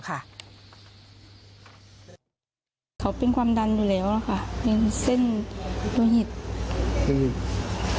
เขาเป็นความดันอยู่แล้วค่ะ